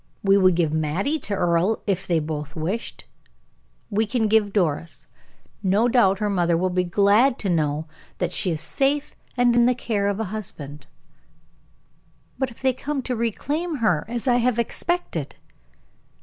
We would give Mattie to Earle, if they both wished it. We can give Doris. No doubt her mother will be glad to know that she is safe in the care of a husband." "But if they come to reclaim her, as I have expected?"